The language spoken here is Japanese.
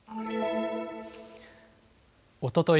おととい